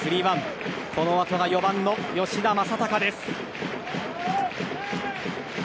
このあとが４番の吉田正尚です。